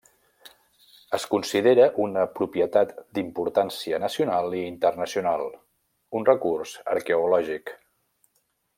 Es considera una propietat d'importància nacional i internacional, un recurs arqueològic.